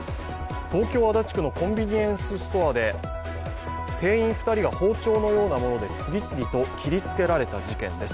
東京・足立区のコンビニエンスストアで店員２人が包丁のようなもので次々と切りつけられた事件です。